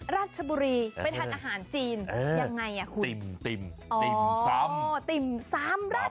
ราชบุรีเป็นทานอาหารจีนยังไงอ่ะคุณ